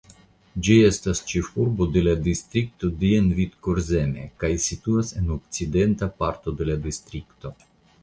Ĝi estas ĉefurbo de distrikto Dienvidkurzeme kaj situas en okcidenta parto de la distrikto.